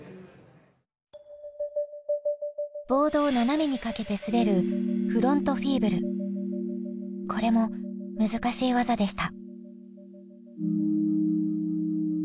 ボードを斜めにかけて滑るこれも難しい技でした。